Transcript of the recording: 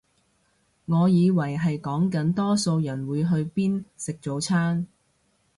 我以為係講緊多數人會去邊食早餐